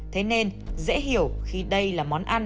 thế nên dễ hiểu khi đây là món ăn